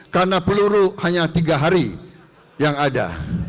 karena peluru hanya tiga hari yang ada